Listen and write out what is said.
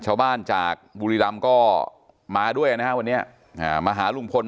ชาวบ้านจากบุรีรำก็มาด้วยนะฮะวันนี้มาหาลุงพล